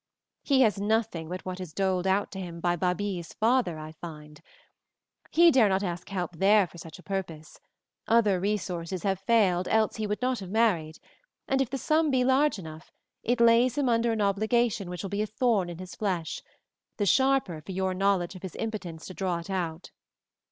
He has nothing but what is doled out to him by Babie's father, I find; he dare not ask help there for such a purpose; other resources have failed else he would not have married; and if the sum be large enough, it lays him under an obligation which will be a thorn in his flesh, the sharper for your knowledge of his impotence to draw it out.